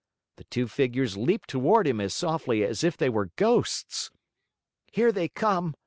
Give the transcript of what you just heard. The two figures leaped toward him as softly as if they were ghosts. "Here they come!"